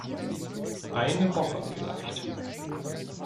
Eine Woche vielleicht.